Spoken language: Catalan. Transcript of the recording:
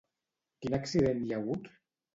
Quin accident hi ha hagut?